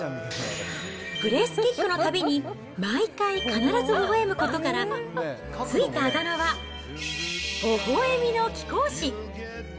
プレースキックのたびに、毎回、必ずほほえむことから、付いたあだ名はほほえみの貴公子。